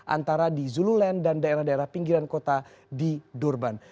antara di zululen dan daerah daerah pinggiran kota di durban